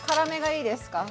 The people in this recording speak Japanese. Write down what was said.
いいですね。